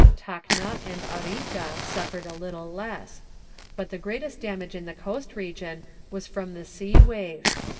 Tacna and Arica suffered little less. But the greatest damage in the coast region was from the sea wave.